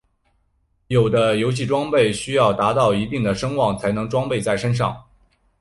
有的游戏装备需要达到一定的声望才能装备在身上。